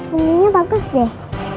punyanya bagus deh